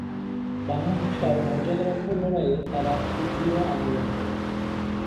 বাংলা ভাষার মর্যাদা রক্ষার লড়াইয়ে তাঁরা সুদৃঢ় আন্দোলন করেন।